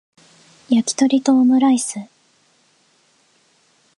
やきとりとオムライス